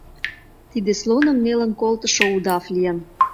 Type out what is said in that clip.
Тиде слоным нелын колтышо удав лийын.